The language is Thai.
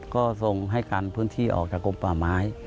ก็ส่งให้กันพื้นที่ออกจากกลมป่าไม้